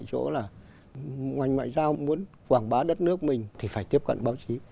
chỗ là ngành ngoại giao muốn quảng bá đất nước mình thì phải tiếp cận báo chí